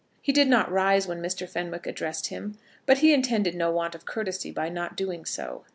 He did not rise when Mr. Fenwick addressed him; but he intended no want of courtesy by not doing so.